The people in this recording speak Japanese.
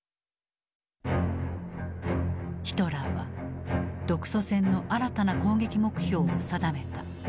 ヒトラーは独ソ戦の新たな攻撃目標を定めた。